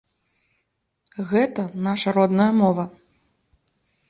Гэта нашая родная мова.